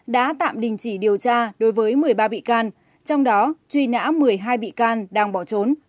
đã tạm đình chỉ điều tra đối với một mươi ba bị can trong đó truy nã một mươi hai bị can đang bỏ trốn